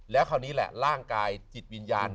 แล้วคราวนี้แหละร่างกายจิตวิญญาณ